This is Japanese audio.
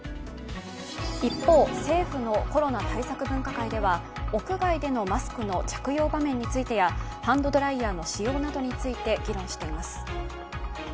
一方、政府のコロナ対策分科会では屋外でのマスクの着用場面についてやハンドドライヤーの使用などについて議論しています。